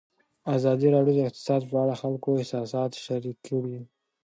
ازادي راډیو د اقتصاد په اړه د خلکو احساسات شریک کړي.